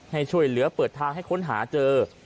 ให้ช่วยเหลือเปิดทางให้ค้นหาเจอ